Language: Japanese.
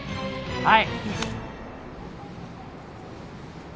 はい。